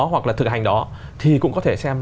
hoặc là thực hành đó thì cũng có thể xem